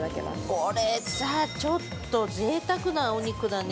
これ、ちょっとぜいたくなお肉だね。